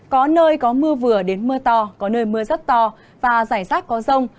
có nơi có mưa vừa đến mưa to có nơi mưa rất to và rải rác có rông